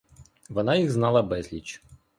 Вона їх знала безліч.